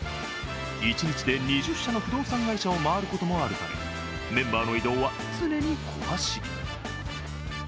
一日で２０社の不動産会社を回ることもあるためメンバーの移動は常に小走り。